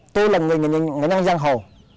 tôi là người dân dàng hồ